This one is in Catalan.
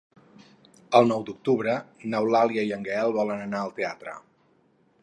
El nou d'octubre n'Eulàlia i en Gaël volen anar al teatre.